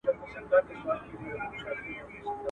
که طلا که شته منۍ دي ته به ځې دوی به پاتیږي.